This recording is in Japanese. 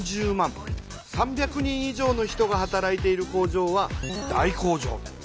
３００人以上の人が働いている工場は大工場。